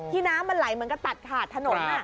น้ำมันไหลเหมือนกับตัดขาดถนน